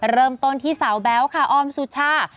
เริ่มต้นที่สาวแบ๊วค่ะออมสุชา